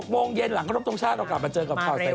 โมงเย็นหลังครบทรงชาติเรากลับมาเจอกับข่าวใส่ไข่